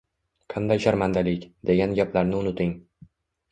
Qanday sharmandalik! degan gaplarni unuting.